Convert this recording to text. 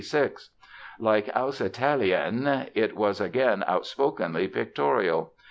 Like Aus Italien it was again outspokenly pictorial.